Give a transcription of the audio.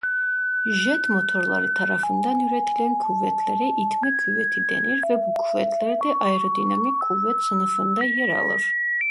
Jet motorları tarafından üretilen kuvvetlere itme kuvveti denir ve bu kuvvetler de aerodinamik kuvvet sınıfında yer alır.